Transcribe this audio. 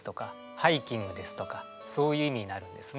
ハイキングですとかそういう意味になるんですね。